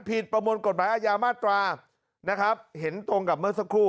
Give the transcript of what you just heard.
ประมวลกฎหมายอาญามาตรานะครับเห็นตรงกับเมื่อสักครู่